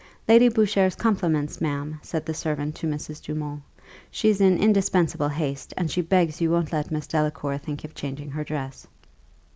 "Lady Boucher's compliments, ma'am," said the servant to Mrs. Dumont; "she's in indispensable haste, and she begs you won't let Miss Delacour think of changing her dress."